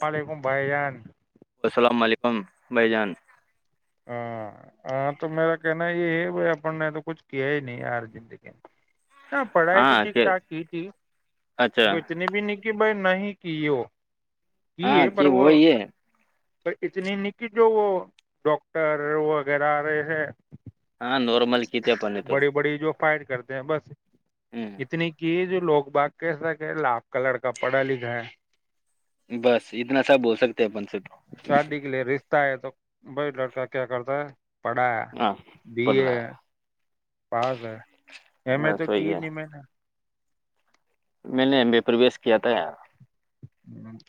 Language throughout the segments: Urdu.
وعلیکم بائی جان السلام علیکم بھائی جان ہاں ہاں تو میرا کہنا یہ ہے بائی اپن نے تو کچھ کیا ہی نہیں یار زندگی میں نہ پڑھائی تو ہاں ٹھیک کہ ٹھاک ہی تھی اچھا اتنی بھی نہیں کی بائی نہیں کیو ہاں کی ہوئی ہے تو اتنی نکی جو وہ ڈاکٹ ر وغیرہ رہے ہیں ہاں نارارمل کیت اپن ہے تو فائر کرتے ہیں بس ہ اتنے کی جو لوگ باغ کیسا کہ لاپ کا لڑکا پڑھا لکھا ہے بس اتنا سب ب سکتے ہیں اپن سے تو شادی کے لیے رشتہ ہے تو بھائی لڑکا کیا کرتا ہے پڑا ہاں بی پڑ رہا ا پاس ہے ای ہے میں تو بس کی وہی ہے نہیں میں نے میں نے ایم بی پرویش کیا تھا یار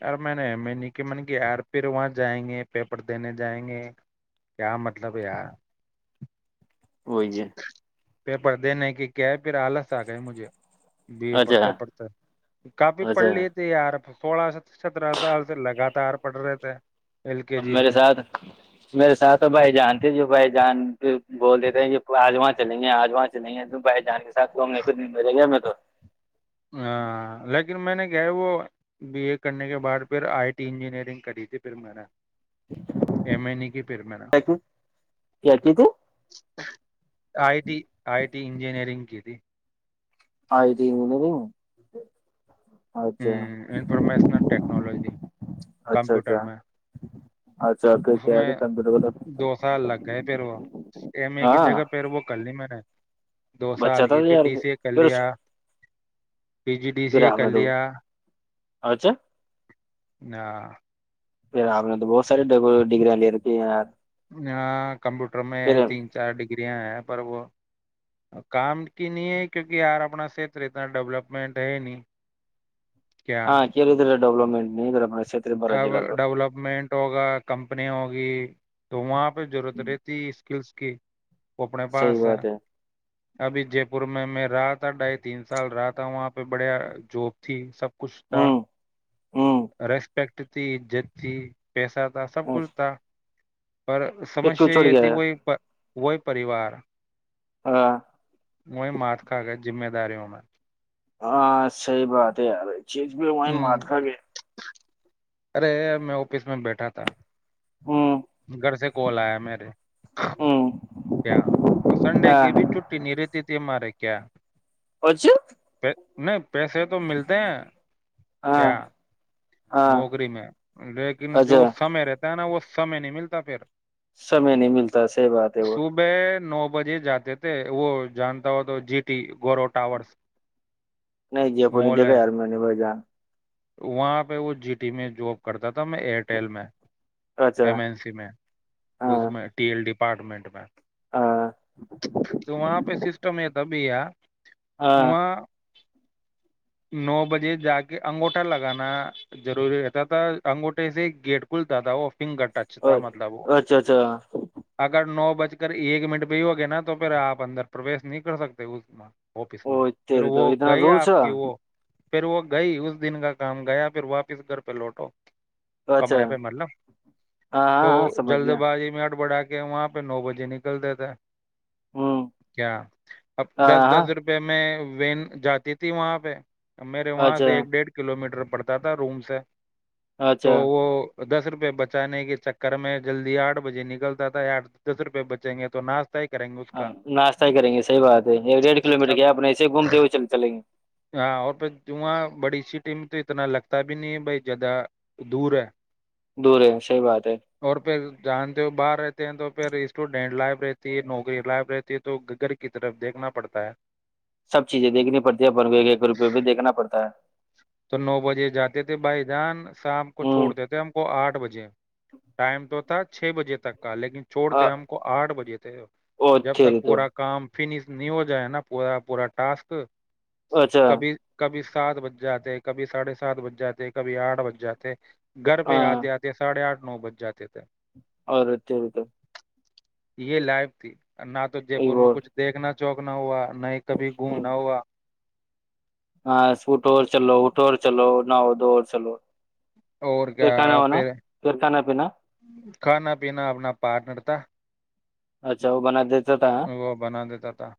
ار میں نے میں نے کہ من کی یار پھر وہاں جائیں گے پیپر دینے جائیں گے کیا مطلب یار وہی ہے پیپر دےنے کہ کیا ہے پھر آلس آ گئے مجھے بی ا اچھا پڑھتے پڑھتے کافی پڑھ اچھا لی تھے یار سولہ سترہ سال سے لگاتار پڑ رہے تھے ایل کے اب جی میرے سے ساتھ میرے ساتھ تو بھائی جانتے جو بھائی جان پ بول دیتے ہیں کہ آجواں چلیں گے آجواں چلیں ہیں بائی جان کے سات گوں میں ایک ہی دن میںجے گیا میں تو ہاں لیکن میں نے گ وہ بی اے کرنے کے بعد پھر آئی ٹی انجینئرنگ کری تھی پھر میں نے ایم نہیں کی پیرمینا کیا کی تھی I T I T engineering کی تھی آئی ت م نہیں نہیں ہ ا انفارمیشنل ٹیکنالوجی اچھا کمپیوٹر اچھا میں اچھا پھر اس کیا ہے میں کہ کمپیوٹر دو سال لگ گئے پھر وہ ایم اے کی ہاں جگہ پھر وہ ک نہیں میں رہے دو سال بچہ تھا کی پھر یار ڈی سی ا کر پھر اس لیا پی جی ڈی سی ا کر لیا اچچا نہ پھر آپ نے تو بہت ساری ڈگگریاں لے رکھی ہیں یار پھر ہے پر وہ کام کی نہیں ہے کیونکہ یار اپنا کھیتر اتنا ڈولپمنٹ ہے نہیں کیا ہاں کدرا ڈیپمٹ نہیں کر اب ڈیولپمنٹ ہوگا کمپنی ہوگی تو وہاں پ ضرورت ہوں، رہتی اسکلس کی وہ اپنے صحیح پاس ہے بات [unintelligible] ابھی جے پور میں میں رہا تھا ڈھائی تین سال رہا تھا وہاں پہ بڑھیا جب تھی سب کچھ تھا [unintelligible] ہوں ہوں رس [unintelligible] پرکتی جتی [unintelligible] پیسہ تھا سب ہوں، کچھ تھا [unintelligible] پر پھر کیوں سمسیا چھوڑ گیا یہتی ہے؟ وہئی [unintelligible] وہی پریوار [unintelligible] ہاں [unintelligible] وہی مات کھ گ ذمہ داری ہونا [unintelligible] ہاں صحی بات ہے یار [unintelligible] چیج بھی وہیں ہوں ماتھا گیا [unintelligible] ارے میں آفس میں بیٹھا تھا ہوں [unintelligible] گھر سے کال آیا میرے ہوں کیا سنڈے ہاں کی بھی چھٹی نہیں رہتی تھی ہمارے [unintelligible] کیا [unintelligible] اورھ [unintelligible] نہیں [unintelligible] پیسے تو ملتے ہیں ہاں کیا [unintelligible] ہاں نوکری میں لیکن اچھا جو سمے رہتا ہے نا وہ [unintelligible] سمے نہیں ملتا پھر [unintelligible] سمے نہیں ملتا صحیح بات ہے وہ [unintelligible] صبح نو بجے جاتے تھے وہ جانتا ہو تو جی ٹی گورو ٹاورس [unintelligible] نہیں ج ف دیکے اور میں نہیں بائی جان [unintelligible] وہاںاں [unintelligible] وہ جی ٹی میں جاب کرتا تھا [unintelligible] میں ایئرٹیل میں اچھا ایم این سی میں اس ہاں میں ٹی ایل ڈی پ [unintelligible] اپارٹمنٹ میں ہاں [unintelligible] تو وہاں پہ سسٹم ہے [unintelligible] سبیا [unintelligible] ہاں وہ [unintelligible] نو بجے جا کے انگوٹا لگانا [unintelligible] ضروری رہتا تھا انگوٹے سے گیٹ کھلتا تھا وہ [unintelligible] فنگر ٹچ تھا مطلب وہ اچھا اچھا اگر نو بچے [unintelligible] کر ایک منٹ پہ ہی ہوگیا نا تو پھر آپ اندر پروش نہیں کر سکتے اس میں [unintelligible] آفس او میں پھر تیرے وہ تو اتنا گئی رولس آپ کی اچھا وہ [unintelligible] پھر وہ گئی اس دن کا کام گیا پھر واپس [unintelligible] کدھر پہ لوٹو [unintelligible] کمرے پہ ہاں مطلب تو ہاں ہاں سمجھ جلد گیا بازی میں ہٹ بٹا کے وہاں پہ نو بجے نکلتے تھے [unintelligible] ہوں کیا اب ہاں دس دس ہاں روپے میں [unintelligible] وین جاتی تھی وہاں پہ [unintelligible] میرے وہاں اچھا سے ایک ڈیڑھ کلو میٹر پڑتا [unintelligible] رومس ہے [unintelligible] اچھا [unintelligible] دس روپئے بچانے کے چکر میں جلدی آٹھ بجے نکلتا تھا آٹ دس روپئے بچیں گے تو ناشت [unintelligible] ہاں ناشتہ ہی کریں گے صحی بات ہے ڈیڑھ کلو میٹر اب کیا اپنے ایسے گھومتے ہوئےل چلیں گے [unintelligible] ٹیم تو اتنا لگتا ہے [unintelligible] پتا بھی نہیں ب جیادہ دور ہے [unintelligible] دور ہے صحیح بات ہے اور پھر جانتے ہو باہر رہتے ہیں تو پھر اسٹوڈینٹ لائف [unintelligible] رہتی ہے نوکری لائب رہتی ہے تو گھر کی طرف دیکھنا پڑتا ہے [unintelligible] سب چیزیں دیکھنی پڑتی ہے بن روپ بھی دیکھنا پڑتا ہے تو نو بجے جاتے تھے بھائی جان شام کو ہوں چوڑ دیتے ہیں ہم کو آٹھ بجے ٹائم تو تھا [unintelligible] چھ بجے تک کا لیکن چھوڑتے او ہم کو آٹھ بجے تھے جب تک تیری تو پورا کام فنش نہیں ہو جائے نا پورا پورا ٹاسک [unintelligible] اچھا کبھی کبھی [unintelligible] سات بجے ب جاتے کبھی ساڑھے سات بن جاتے کبھی آٹھ بن جاتے گھر پہ ہاں آتے آتے ساڑھے آٹھ نو بج جاتے تھے اورتی تو یہ لائیف ت نہ تو جے پور میں کچھ دیکنا چوک نہ ہوا نہیں کبھی گھوم نہ ہوا ہاں اسوٹ اورور چلو اٹ اور چلو ن دوور چلو اور پھر کیا کھانا وانا پھر پھر کھانا پینا کھانا پینا اپنا پارٹنر تھا اچھا وہ بنا دی وہ بنا دیتا تھا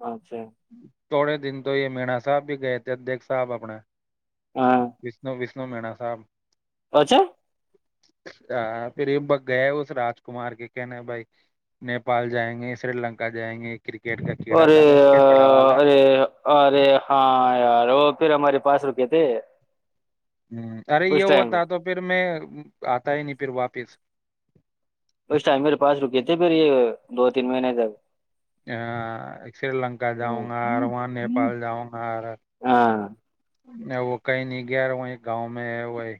اچھا تھوڑے دن تو یہ مناا صاحب بھی گئے تھے دیک صاحب اپنا وشنوس اسو مینا صاحب اچچھے ا پھر یہ ب گئے اس راج کمار کے کہنے بھائی نیپال جائیں گے سری لنک جائیں گے کرکٹ کا کیڑا تھا ارے نا اس کے بڑا والا ارے ارے ہاں یار وہ پھر ہمارے پاس روپیے تھ ہ ارے یہ ہوتا تو پھر میں آتا ہی نہیں پھر واپ پز اس ٹائم میرے پاس رکے تھے پھر یہ دو تین مہینے تک ا سری لنکا جاؤں گا وہاں نیپال جاؤں گا ہاں وہ کہیں نہیں گیا رہا ہ گاؤں میں ہے وہی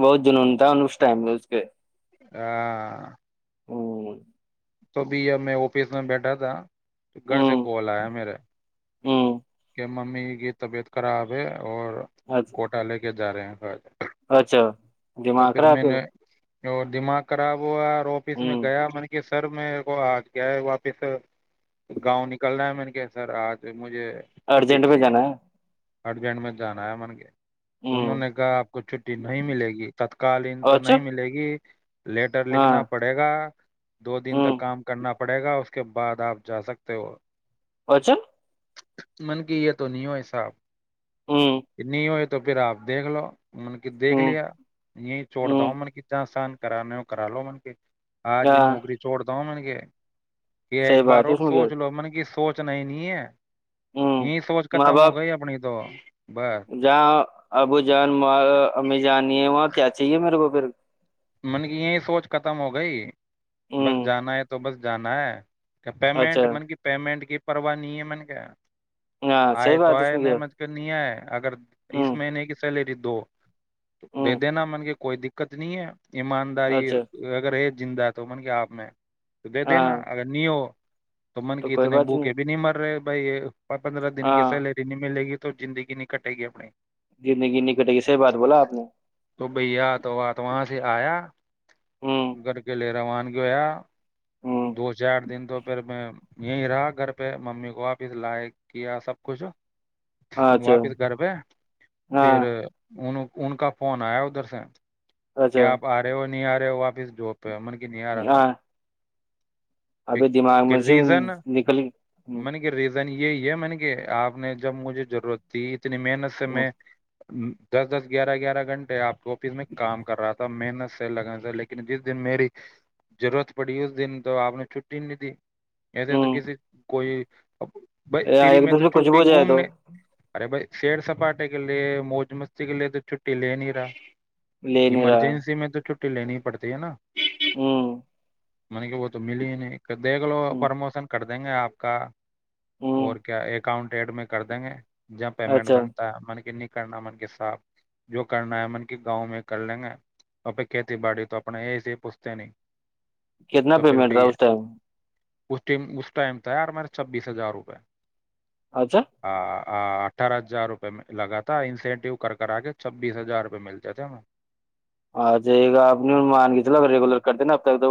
بہت جنون تھا اس ٹائم میں اس کے ہ او تو بھی ا میں آفس میں بیٹھا تھا گھر سے کال آیا میرے ہ کہ ممی یہ طبیعت کرا اور اچھا کوٹ لے کے جا رہے ہیں اچھا تو دماغغ رہا ہے میں پھر نے اور دماغ خراب ہوا آفس میں ہوں گیا مط کہ س سر میرے کو آج کیا ہے واپس گاؤں نکلناا ہے میں نے کیا سر آج مجھے چھٹی ارجنٹ میں چاہیے جانا ہے ارجنٹ میں جانا ہے من کے انہوں ہوں نے کہا آپ کو چھٹی نہیں ملے گی تتکالین تو اچھا نہیں ملے گی لیٹر ہاں لکھنا پڑے گا دو دن ہوں تک کام کرنا پڑے گا اس کے بعد آپ جا سکتے ہو اچا من کی یہ تو نہیں ہو ح صااب ہوں کنی ہوئے تو پھر آپ دیکھ لو من کی دیکھ ہوں لیا یہ چوڑ دا ہوں من کی جہ شان کرانے ہو کرا لو من کے آج ہاں نوکری چھوڑ دن کے کہ صحیح ایک بار بات ہے اور اس میں کیا سوچ لو م نے کہ سوچنا ہی نہیں ہے ہوں یہ سوچ ماں ختم ہو باپ گئی اپنی تو بس جہاں ابو جان ا جانی ہے وہاں کیا چاہیے میرے کو پھر من کی یہی سوچ ختم ہو گئی بس ہوں جانا ہے تو بس جانا ہے اچھا پیمنٹ مط کی پیمنٹ کی پرو نہیں ہےمن کیا ہاں صحیح آئے تو بات اس آئے میں کیا نمجھ کر نہیں آئے اگر اس ہوں مہینے کی سیلری دو تو دے ہوں دینا من کے کوئی دقت نہیں ہے ایمانداری اچھا ویرہ زندہ ہے تو من کے آپ میں تو دے دینا ہاں اگر نہیں ہو تو من کی اتنے بوکے بھی نہیں مر رہے بھائی پندرہ دن کی ہاں سیلری نہیں ملے گی تو تو زندگی نہیں کٹے گی اپنی جتنی جنی کٹے گی صحیح بات بولا آپ نے تو بھیا تو آ تو وہاں سے آیا ہوں گھر کے لے روان کےیا ہوں دو چار دن تو پھر میں یہیں رہا گھر پہ ممی کو آپس لائق کیا سب کچھ اچھا واپس کر پئے پھر ہاں انن ان کا فون آیا ادھر سے اچھا کیا آپ آ رہے ہو نہیں آ رہے ہو واپس جوپ پمن کی نہیں آارا سر ہاں کہ ابھی دماغ کہ میں سے نکل یہ ہے م نے کہ آپ نے جب مجھے ضرورت تھی تو اتنی محنت سے ہوں میں دس دس گیارہ گیارہ گھنٹے آپ کو میں کام کر رہا تھا محنت سے لگا سر لیکن جس دن میری ضرورت پڑی اس دن تو آپ نے چھٹی رن ت ایسے تو کسی کوئی اپ بائی فری ایک میں دم تو سے کچھ بھی چھٹی ہو جائے تو گھومنے ارے بھائی شیر سپاٹے کے لیے موج مستی کے لیے تو چھٹی لے نہیں رہا لے نہیں رہا ایمرجنسی میں تو چ لینی پڑتی ہے نا ہوں من کے وہت ملین دگلو ہ پرموشن دیں گے آپ کا ہ اور کیا اکاؤنٹ ایڈ میں کر دیں گے جب پیمنٹ اچھا بنتا ہے من ن کرناامن کے صاھ جو کرنامن کے گاؤں میں کر لیں گے تو پ کھیتی باڑی تو اپنے یہ سے پوچھتے نہیں کتنا تو پھر پیمنٹ تھا بھی ہے اس ٹائم اس اس ٹائم ت ہے یار میرے چھبیس ہزار روپئے اچھا اٹھارہ ہزار روپے میں لگا تھا انسینٹیو کر کر آ کے چھبیس ہزار روپئے مل جاتے ہما آ جائیے گا آپ نے مان کے چلو ریگولر کرتے نا اب تک تو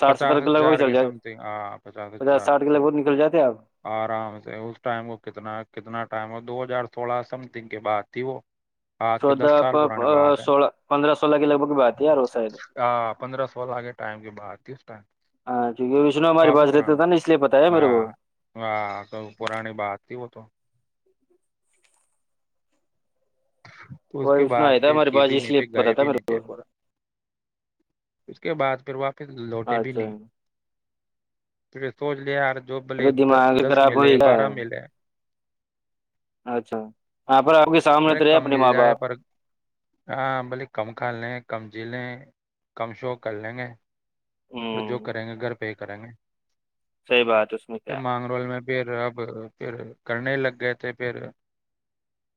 ساٹھ پچاس ستر لگ بھگ ہزار چل کے جائے سم تھنگ ہاں پچاس ہزار ساٹھ کے س لگ بھگ نکل جاتے آپ آرام سے اس ٹائم کو کتنا کتنا دو ہزار سولہ سمتنگ کے بعد تھی وہ آج کے دس چودہ سال پرانے بات ہے سولہ پندرہ سولہ کے لگ بھگ بات ہے یار وہ شاید آ پندرہ سوال آگے ٹائم کی بات ہاں کیونکہ وشنو ہمارے کبی پاس پنا رہتا تھا نا اس لیے پتا ہے میرے کو ہاں ہ پورانی باتتی ہو تو تو اس وہ کے وشنو آیا بعد تھا پھر ہمارے کیب پاس اس نہیں پہ لیے پتا گائے تھا بھی میرے نہیں جے کو پا اس کے بعد پھر وہاپ پھر لوٹے بھی اچھا نہیں پھر سوچ لیا ار ابھی دماغ خراب ہوئے گا اچھا پر آپ سامنے ارے تو رہے کم اپنے مل ماں جائے باپ پر ہاں بلے کم کھا ل کمزیلیں کم شو کر لیں گے اور جو ہوں کریں گے گھر پہ ہی کریں گے صحیح بات اس میں پھر کیا ہے مانگ رول میں پھر اب پھر کرنے لگ گئے تھے پھر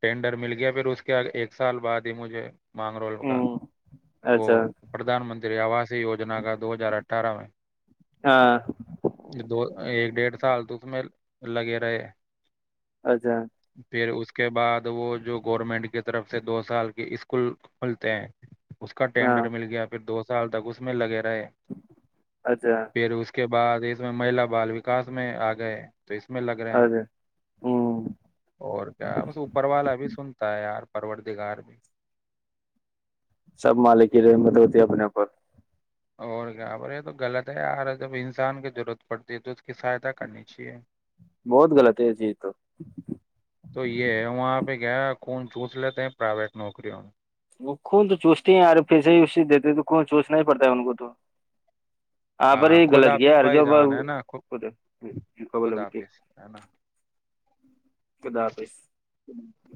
ٹینڈر مل گیا پھر اس کے ایک سال بعد ہی مجھے مانگرول کا ہوں وہ اچھا پردھان منت آواز وجنا کا دو ہزار اٹھ اٹارہ میں ہاں دو ایک ڈیھ سال تو میں لگے رہے اچھا پھر اس کے بعد وہ جو گورنمنٹ کی طرف سے دو سال کے اس کو کھلتے اس کا ہاں ٹینڈر مل گیا پھر دوست سال تک اس میں لگےا ب اچھا پھر اس کے بع دیس میں مہلا بال وکاس میں آ گئے تو اس میں لگ رہے ہیں اچھا ہوں اور کیا بس اوپر والا بھی سنتا ہے یار پروردگار میں سب مالک کی رحمت ہوتی ہے اپنے اوپر اور کیا پر یہ تو غلط ہے یار جب انسان کی ضرورت پڑتی ہے تو اس کی سہایتا کرنی چاہیے بہت غلط ہے جی تو گیا کون چھس لیتے ہیں پرائیویٹ نوکری ہو خون تو چوچتے ہیں ار پھر سےے ہی اس دیتے تو خون چوچنا ہی پڑتا ہے ان کو تو یہاں پر ہاں یہ خد غلط کیا آافس یار بھائی جو جان ہے نا خ خد ہافس ہے نا کدا آپس ج